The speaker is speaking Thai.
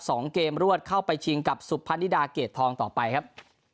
สองเกมรวดเข้าไปชิงกับสุพรรณิดาเกรดทองต่อไปครับ